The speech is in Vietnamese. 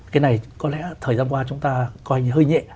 cái này có lẽ thời gian qua chúng ta coi như hơi nhẹ